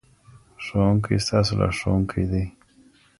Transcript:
ښوونکی ستاسو لارښوونکی دی.